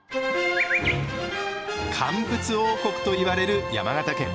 「乾物王国」と言われる山形県。